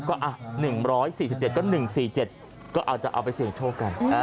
ก็๑๔๗ก็๑๔๗ก็จะเอาไปเสี่ยงโชคกัน